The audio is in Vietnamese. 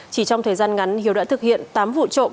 chỉ trong thời gian ngắn hiếu đã thực hiện tám vụ trộm